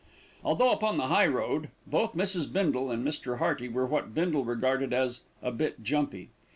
Although upon the high road, both Mrs. Bindle and Mr. Hearty were what Bindle regarded as "a bit jumpy."